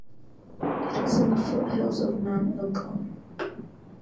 It is in the foothills of Mount Elgon.